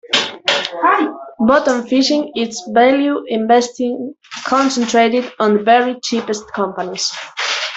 Bottom fishing is value investing concentrated on the very cheapest companies.